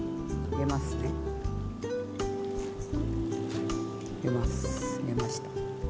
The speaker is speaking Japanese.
入れました。